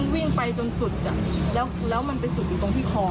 วิ่งไปจนสุดแล้วมันไปสุดอยู่ตรงที่คอ